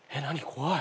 怖い。